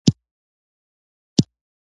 په ځنګله کې بیلې شوې دي دوې لارې